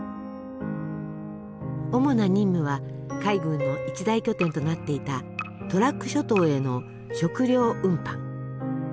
主な任務は海軍の一大拠点となっていたトラック諸島への食糧運搬。